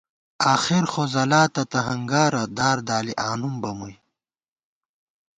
آخېرخو ځلاتہ تہ ہنگار، دار دالی آنُم بہ مُوئی